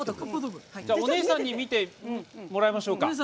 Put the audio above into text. お姉さんに見てもらいましょうか。